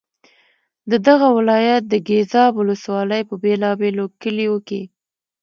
د دغه ولایت د ګیزاب ولسوالۍ په بېلا بېلو کلیو کې.